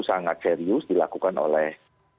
sangat serius dilakukan oleh